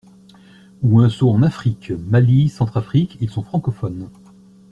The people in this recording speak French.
Ou un saut en Afrique, Mali, Centrafrique, ils sont francophones.